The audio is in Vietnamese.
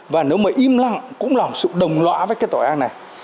và nếu mà im lặng cũng là một sự đồng lõa với cái tội ác này